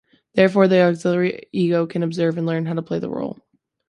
Therefore, the auxiliary ego can observe and learn how to play the role.